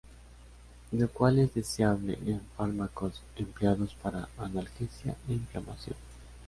Lo cual es deseable en fármacos empleados para analgesia e inflamación.